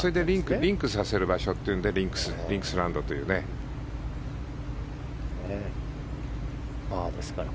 リンクさせる場所ということでリンクスランドというんですね。